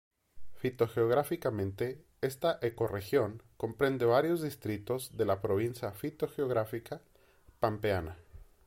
Fitogeográficamente, esta ecorregión comprende varios distritos de la provincia fitogeográfica pampeana.